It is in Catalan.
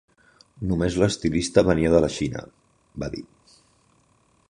Només l'estilista venia de la Xina, va dir.